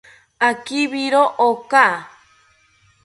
Akibiro ako